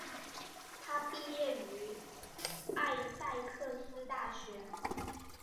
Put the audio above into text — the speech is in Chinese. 他毕业于艾塞克斯大学。